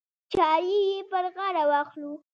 چارې یې پر غاړه واخلو.